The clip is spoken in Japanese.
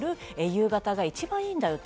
夕方が一番いいんだよと。